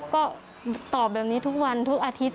ก็ตอบแบบนี้ทุกวันทุกอาทิตย